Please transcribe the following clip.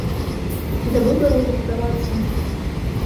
І да выбараў рыхтавацца.